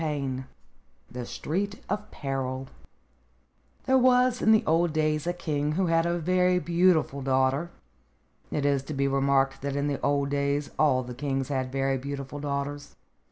XV THE STREET OF PERIL THERE was in the old days a king who had a very beautiful daughter. It is to be remarked that in the old days all the kings had very beautiful daughters.